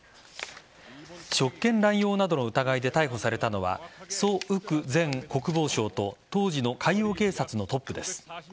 職権乱用などの疑いで逮捕されたのはソ・ウク前国防相と当時の海洋警察のトップです。